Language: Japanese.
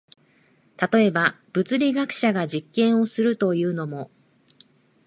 例えば、物理学者が実験をするというのも、